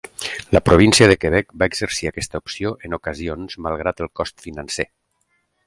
La província de Quebec va exercir aquesta opció en ocasions malgrat el cost financer.